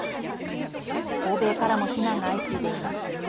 欧米からも非難が相次いでいます。